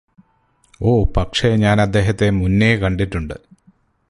ഓ പക്ഷേ ഞാനദ്ദേഹത്തെ മുന്നേ കണ്ടിട്ടുണ്ട്